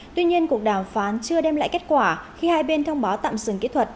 tuy nhiên cuộc đàm phán chưa đem lại kết quả khi hai bên thông báo tạm dừng kỹ thuật